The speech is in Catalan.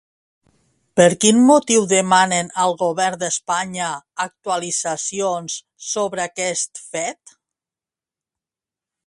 Per quin motiu demanen al Govern d'Espanya actualitzacions sobre aquest fet?